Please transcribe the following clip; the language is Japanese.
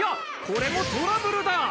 これもトラブルだ。